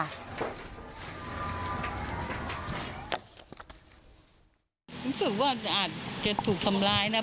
รู้สึกว่าอาจจะถูกทำร้ายนะ